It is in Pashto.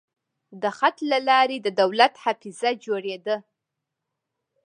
د خط له لارې د دولت حافظه جوړېده.